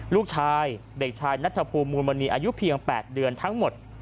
ลูกชายเด็กชายนัทภูมิมูลมณีอายุเพียง๘เดือนทั้งหมด